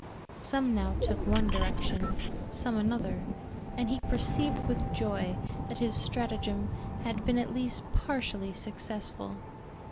Some now took one direction, some another, and he perceived with joy that his stratagem had been at least partially successful.